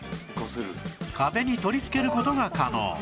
壁に取りつける事が可能